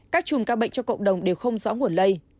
các chùm ca bệnh cho cộng đồng đều không rõ nguồn lây